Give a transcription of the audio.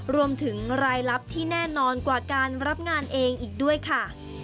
รวมถึงรายลับที่แน่นอนกว่าการรับงานเองอีกด้วยค่ะ